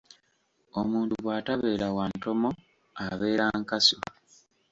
Omuntu bw’atabeera wa ntomo abeera nkasu.